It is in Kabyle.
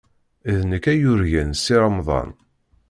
D nekk ay yurgan Si Remḍan.